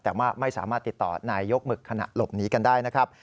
แต่ว่าไม่สามารถติดต่อนายยกหมึกขณะหลบหนีกันได้นะครับ